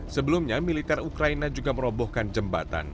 sebelumnya militer ukraina juga merobohkan jembatan